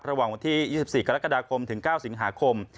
ระหว่างวันที่๒๔กรกฎาคมถึง๙สิงหาคม